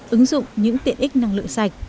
ứng dụng những tiện ích năng lượng sạch